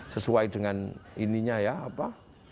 sesuai dengan ininya ya apa